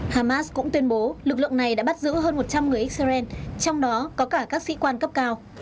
hamas cũng tuyên bố lực lượng này đã bắt giữ hơn một trăm linh người israel trong đó có cả các sĩ quan cấp cao